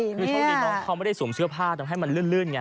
เท่านี้น้องเขาไม่ได้สวมเสื้อผ้าต้องให้มันเลื่อนไง